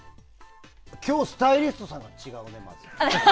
今日、スタイリストさんが違うね。